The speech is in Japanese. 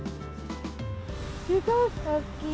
すごい大きい。